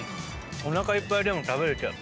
おなかいっぱいでも食べられる。